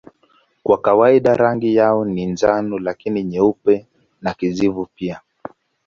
Kwa kawaida rangi yao ni njano lakini nyeupe na kijivu pia.